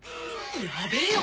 やべぇよ